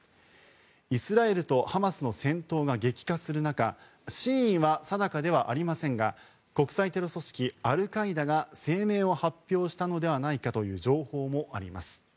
イスラエルとハマスの戦闘が激化する中真意は定かではありませんが国際テロ組織アルカイダが声明を発表したのではないかという情報もあります。